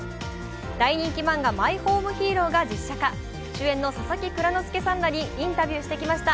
大人気漫画「マイホームヒーロー」が実写化主演の佐々木蔵之介さんらにインタビューしてきました。